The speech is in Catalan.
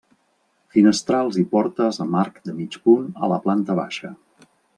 Finestrals i portes amb arc de mig punt a la planta baixa.